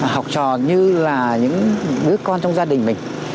học trò như là những đứa con trong gia đình mình